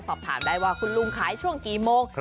สอบถามได้ว่าคุณลุงขายช่วงกี่โมง